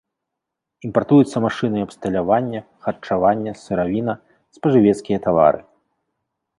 Імпартуюцца машыны і абсталяванне, харчаванне, сыравіна, спажывецкія тавары.